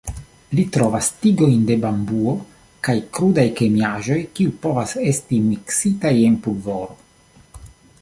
Li trovas tigojn de bambuo kaj krudaj kemiaĵoj, kiuj povas esti miksitaj en pulvoro.